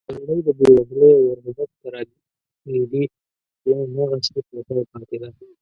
د نړۍ د بېوزلۍ او غربت تراژیدي لا هغسې پر ځای پاتې ده.